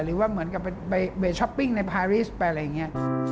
หรือว่าเหมือนกับไปช้อปปิ้งในพาริสไปอะไรอย่างนี้